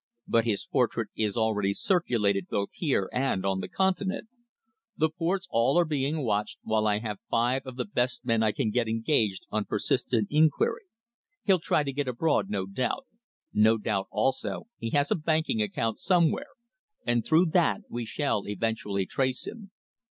But his portrait is already circulated both here and on the Continent. The ports are all being watched, while I have five of the best men I can get engaged on persistent inquiry. He'll try to get abroad, no doubt. No doubt, also, he has a banking account somewhere, and through that we shall eventually trace him.